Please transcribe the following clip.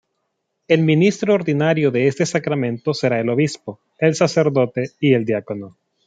El ministro ordinario de este sacramento será el obispo, el sacerdote y el diácono.